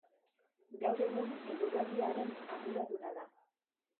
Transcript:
Gaur egun eguraldiaren arduraduna da.